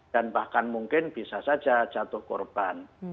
dan bahkan mungkin bisa saja jatuh korban